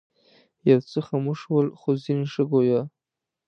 یو څه خموش ول خو ځینې ښه ګویا.